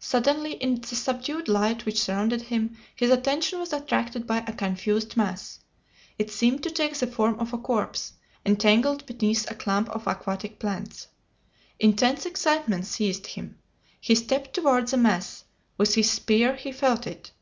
Suddenly, in the subdued light which surrounded him, his attention was attracted by a confused mass. It seemed to take the form of a corpse, entangled beneath a clump of aquatic plants. Intense excitement seized him. He stepped toward the mass; with his spear he felt it.